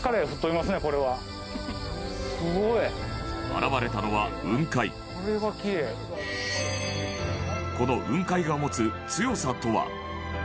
現れたのは、雲海この雲海が持つ強さとは？